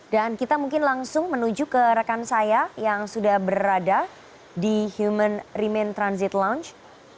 dan kita mungkin langsung menuju ke rekan saya yang sudah berada di human remain transit lounge